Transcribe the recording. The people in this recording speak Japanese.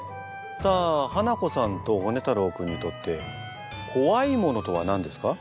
さあハナコさんとホネ太郎君にとって怖いものとは何ですか？